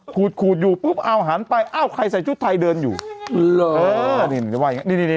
ขูดขูดอยู่ปุ๊บเอาหันไปอ้าวใครใส่ชุดไทยเดินอยู่หรอนี่นี่นี่นี่